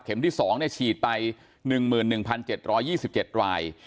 เข็มที่สองเนี่ยฉีดไปหนึ่งหมื่นหนึ่งพันเจ็ดร้อยยี่สิบเจ็ดราย